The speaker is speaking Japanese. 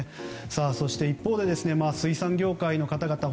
そして、一方で水産業界の方々は